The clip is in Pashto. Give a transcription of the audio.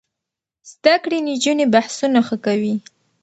زده کړې نجونې بحثونه ښه کوي.